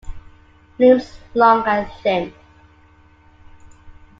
Limbs long and thin.